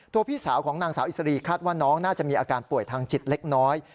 พี่สาวของนางสาวอิสรีคาดว่าน้องน่าจะมีอาการป่วยทางจิตเล็กน้อย